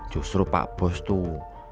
justru pak bos tuh